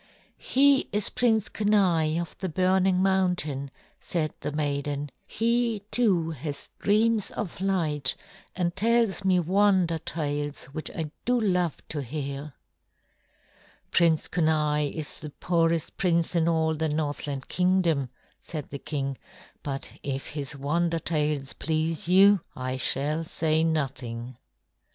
"He is Prince Kenai of the burning mountain," said the maiden. "He, too, has dreams of light and tells me wonder tales which I do love to hear." "Prince Kenai is the poorest prince in all the Northland Kingdom," said the king; "but if his wonder tales please you, I shall say nothing."